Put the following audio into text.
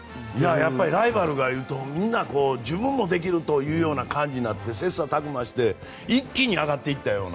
やっぱりライバルがいるとみんな自分もできるという感じになって切磋琢磨して一気に上がっていったような。